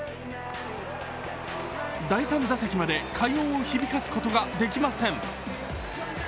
第３打席まで快音を響かすことができません。